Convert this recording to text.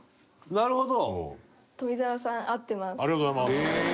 なるほど。